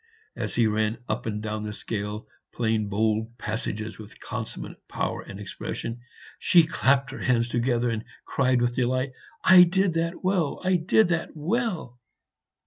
As he ran up and down the scale, playing bold passages with consummate power and expression, she clapped her hands together and cried with delight, "I did that well! I did that well."